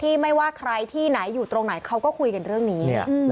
ไม่ว่าใครที่ไหนอยู่ตรงไหนเขาก็คุยกันเรื่องนี้